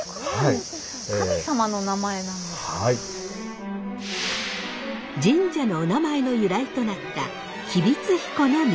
神社のおなまえの由来となった吉備津彦命。